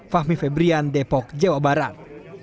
fahmi febrian depok jawa barat